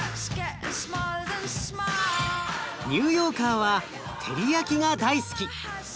ニューヨーカーはテリヤキが大好き。